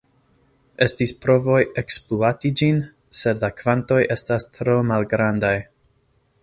Estis provoj ekspluati ĝin, sed la kvantoj estas tro malgrandaj.